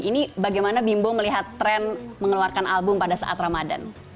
ini bagaimana bimbo melihat tren mengeluarkan album pada saat ramadan